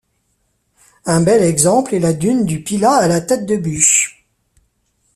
Un bel exemple est la Dune du Pilat à La Teste de Buch.